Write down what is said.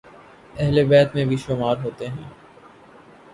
اہل بیت میں بھی شمار ہوتے ہیں